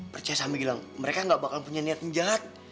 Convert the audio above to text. percaya sama gilang mereka gak bakal punya niat yang jahat